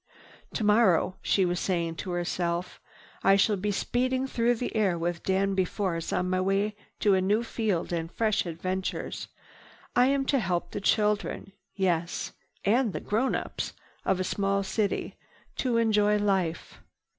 "Tomorrow," she was saying to herself, "I shall be speeding through the air with Danby Force on my way to a new field and fresh adventure. I am to help the children, yes, and the grownups, of a small city—to enjoy life.